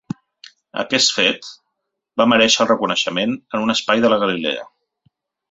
Aquest fet va merèixer el reconeixement en un espai de la galilea.